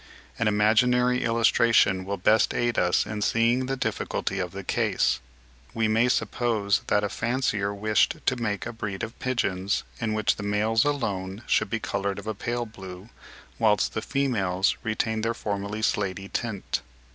An imaginary illustration will best aid us in seeing the difficulty of the case; we may suppose that a fancier wished to make a breed of pigeons, in which the males alone should be coloured of a pale blue, whilst the females retained their former slaty tint.